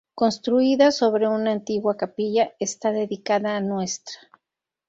Construida sobre una antigua capilla, está dedicada a Ntra.